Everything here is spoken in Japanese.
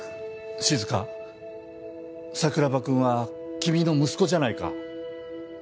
静桜庭君は君の息子じゃないか